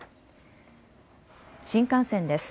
新幹線です。